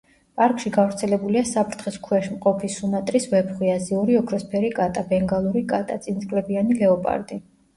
პარკში გავრცელებულია საფრთხის ქვეშ მყოფი სუმატრის ვეფხვი, აზიური ოქროსფერი კატა, ბენგალური კატა, წინწკლებიანი ლეოპარდი.